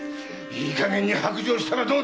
いいかげんに白状したらどうだ？